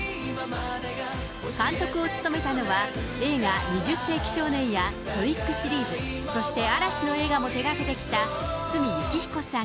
監督を務めたのは映画、２０世紀少年やトリックシリーズ、そして嵐の映画も手がけてきた堤幸彦さん。